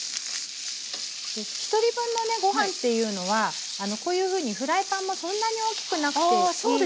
１人分のごはんっていうのはこういうふうにフライパンもそんなに大きくなくていいですし。